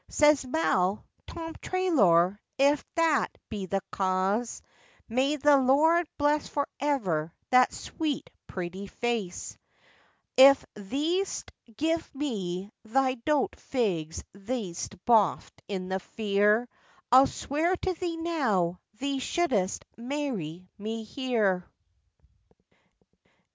Says Mal, 'Tom Treloar, ef that be the caase, May the Lord bless for ever that sweet pretty faace; Ef thee'st give me thy doat figs thee'st boft in the fear, I'll swear to thee now, thee shu'st marry me here.